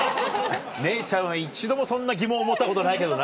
姉ちゃんは一度もそんな疑問を持ったことないけどな。